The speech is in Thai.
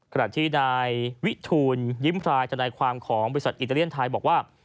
ขณะที่นายวิทูลยิ้มพลายธนายความของบริษัทอิตาเลียนไทยบอกว่า